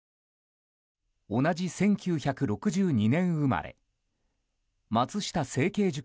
同じ１９６２年生まれ松下政経塾